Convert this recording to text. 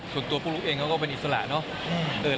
ส่วนตัวผู้ลุกเองเขาก็เป็นอิสระเนาะ